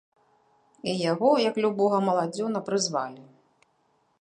І яго як любога маладзёна прызвалі.